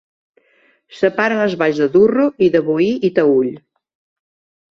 Separa les valls de Durro i de Boí i Taüll.